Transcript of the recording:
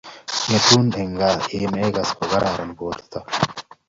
ng'etun eng' gaa ye mekase ko kararan borto